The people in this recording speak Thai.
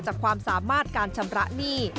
ความสามารถการชำระหนี้